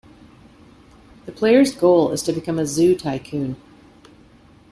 The player's goal is to become a "zoo tycoon".